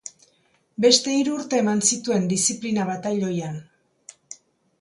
Beste hiru urte eman zituen diziplina-batailoian.